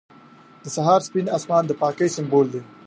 • د سهار سپین آسمان د پاکۍ سمبول دی.